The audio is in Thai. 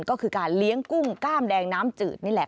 ก็คือการเลี้ยงกุ้งกล้ามแดงน้ำจืดนี่แหละ